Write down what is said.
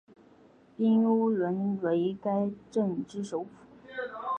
彬乌伦为该镇之首府。